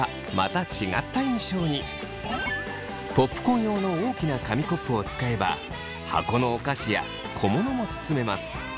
ポップコーン用の大きな紙コップを使えば箱のお菓子や小物も包めます。